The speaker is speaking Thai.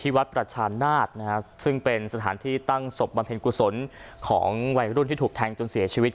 ที่วัดครับอยู่ที่วัดประชานนาฏนะฮะซึ่งเป็นสถานที่ตั้งสมบันเผ็นกุศลของวัยรุ่นที่ถูกแทงจนเสียชีวิต